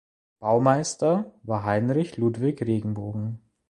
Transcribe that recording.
Baumeister war Heinrich Ludwig Regenbogen.